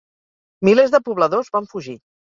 Milers de pobladors van fugir.